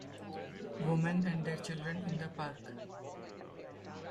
Women and their children in the park